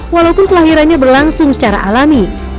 walaupun kelahirannya berlangsung secara alami